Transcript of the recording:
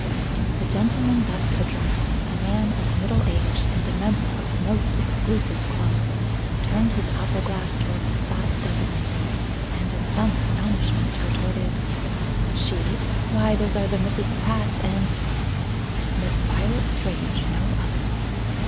The gentleman thus addressed a man of middle age and a member of the most exclusive clubs turned his opera glass toward the spot designated, and in some astonishment retorted: "She? Why those are the Misses Pratt and " "Miss Violet Strange; no other."